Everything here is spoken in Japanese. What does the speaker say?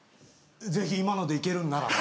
ぜひ今のでいけるんならば。